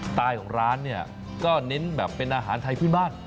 ไตล์ของร้านเนี่ยก็เน้นแบบเป็นอาหารไทยพื้นบ้าน